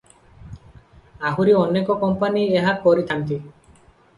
ଆହୁରି ଅନେକ କମ୍ପାନି ଏହା କରିଥାନ୍ତି ।